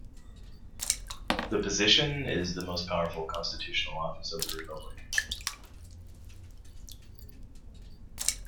The position is the most powerful constitutional office of the Republic.